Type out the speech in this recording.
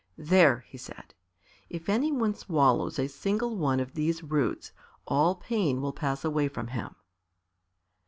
"There," he said; "if any one swallows a single one of these roots all pain will pass away from him."